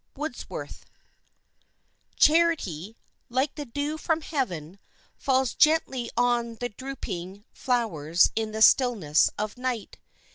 —WORDSWORTH. Charity, like the dew from heaven, falls gently on the drooping flowers in the stillness of night.